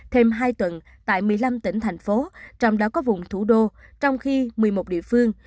thêm hai tuần tại một mươi năm tỉnh thành phố trong đó có vùng thủ đô trong khi một mươi một địa phương